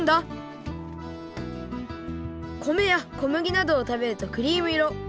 米や小麦などをたべるとクリーム色